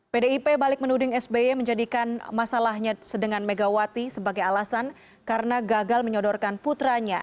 pdip balik menuding sby menjadikan masalahnya sedangkan megawati sebagai alasan karena gagal menyodorkan putranya